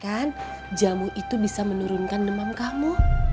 kan jamu itu bisa menurunkan demam kamu